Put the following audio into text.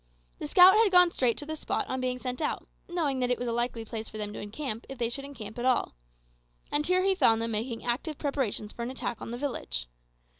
The scout had gone straight to the spot on being sent out, knowing that it was a likely place for them to encamp, if they should encamp at all. And here he found them making active preparations for an attack on the village.